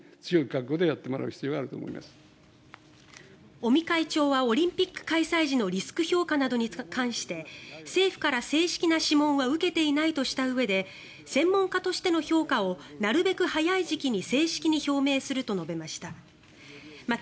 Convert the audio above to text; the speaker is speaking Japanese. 尾身会長はオリンピック開催時のリスク評価などに関して政府から正式な諮問は受けていないとしたうえで専門家としての評価をなるべく早い時期に正式に表明すると述べました。